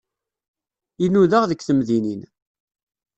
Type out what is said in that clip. I nudaɣ deg temdinin.